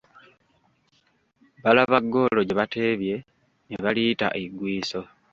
Balaba ggoolo gye bateebye, ne baliyita eggwiiso.